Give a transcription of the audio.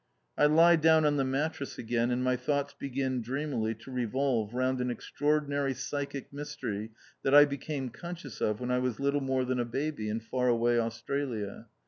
I lie down on the mattress again, and my thoughts begin dreamily to revolve round an extraordinary psychic mystery that I became conscious of when I was little more than a baby in far away Australia.